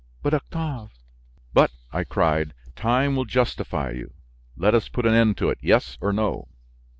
"But, Octave " "But," I cried, "time will justify you! Let us put an end to it; yes or no?"